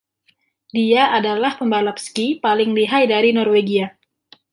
Dia adalah pembalap ski paling lihai dari Norwegia.